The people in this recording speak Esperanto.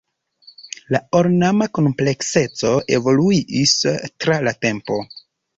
La ornama komplekseco evoluis tra la tempo.